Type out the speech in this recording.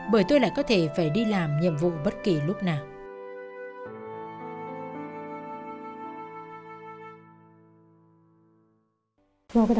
bởi tôi lại có thể phải đi làm nhiệm vụ bất kỳ lúc nào